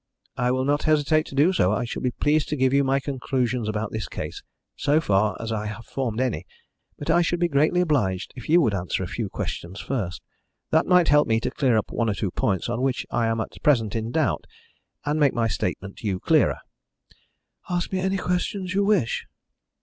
"I will not hesitate to be so. I shall be pleased to give you my conclusions about this case so far as I have formed any but I should be greatly obliged if you would answer a few questions first. That might help me to clear up one or two points on which I am at present in doubt, and make my statement to you clearer." "Ask me any questions you wish."